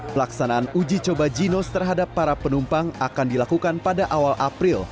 pelaksanaan uji coba ginos terhadap para penumpang akan dilakukan pada awal april